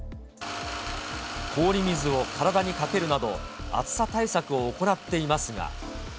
氷水を体にかけるなど、暑さ対策を行っていますが。